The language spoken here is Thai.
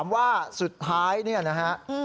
ไม่ใช้ท่าน